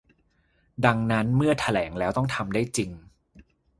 ดังนั้นเมื่อแถลงแล้วต้องทำได้จริง